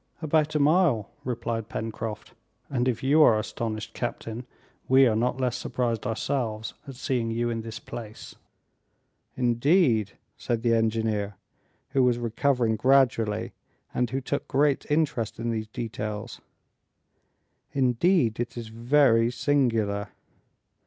"About a mile," replied Pencroft; "and if you are astonished, captain, we are not less surprised ourselves at seeing you in this place!" "Indeed," said the engineer, who was recovering gradually, and who took great interest in these details, "indeed it is very singular!"